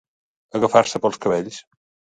Agafar-se pels cabells.